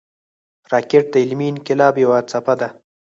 راکټ د علمي انقلاب یوه څپه ده